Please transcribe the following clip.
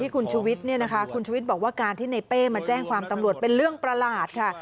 คุณชุวิตคุณชุวิตบอกว่าการที่ในเป้มาแจ้งความตำรวจเป็นเรื่องประหลาดค่ะ